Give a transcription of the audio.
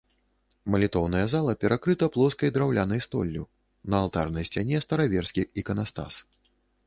Малітоўная зала перакрыта плоскай драўлянай столлю, на алтарнай сцяне стараверскі іканастас.